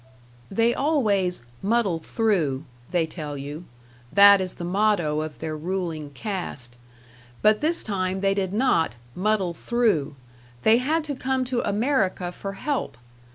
They always "muddle through", they tell you; that is the motto of their ruling caste. But this time they did not "muddle through" they had to come to America for help.